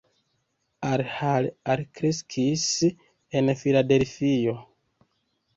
Al Hall alkreskis en Filadelfio.